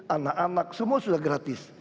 anak anak semua sudah gratis